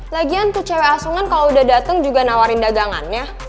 lagian tuh cewek asungan kalau udah dateng juga nawarin dagangannya